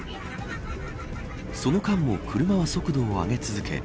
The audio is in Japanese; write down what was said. その間も車は速度を上げ続け